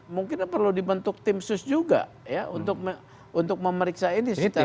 mungkin perlu dibentuk tim sus juga ya untuk memeriksa ini secara